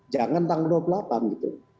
jangan tanggal dua puluh delapan gitu